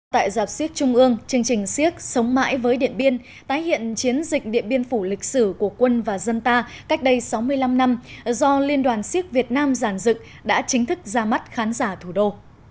tại giạp siếc trung ương chương trình siếc sống mãi với điện biên tái hiện chiến dịch điện biên phủ lịch sử của quân và dân ta cách đây sáu mươi năm năm do liên đoàn siếc việt nam giàn dựng đã chính thức ra mắt khán giả thủ đô